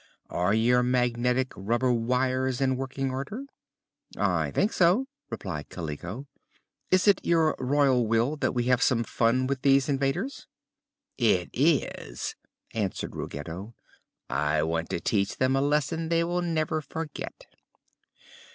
Are your magnetic rubber wires in working order?" "I think so," replied Kaliko. "Is it your Royal Will that we have some fun with these invaders?" "It is," answered Ruggedo. "I want to teach them a lesson they will never forget."